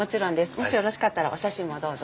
もしよろしかったらお写真もどうぞ。